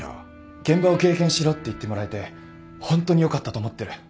現場を経験しろって言ってもらえてホントによかったと思ってる